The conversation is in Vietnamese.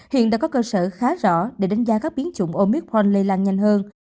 hiện đã có cơ sở khá rõ để đánh giá các biến chủng omicron lây lan nhanh hơn